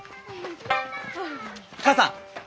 母さん！